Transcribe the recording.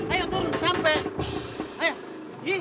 ayo turun udah sampai